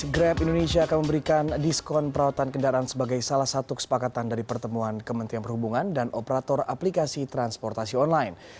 grab indonesia akan memberikan diskon perawatan kendaraan sebagai salah satu kesepakatan dari pertemuan kementerian perhubungan dan operator aplikasi transportasi online